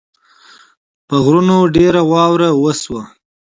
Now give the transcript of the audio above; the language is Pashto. په غرونو ډېره واوره وشوه